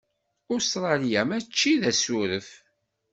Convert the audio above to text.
Ustṛalya mačči d asuref.